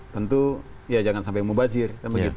tentu ya jangan sampai mubazir